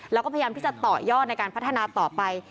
แล้วก็พยายามที่จะต่อยอดในการพัฒนาต่อไป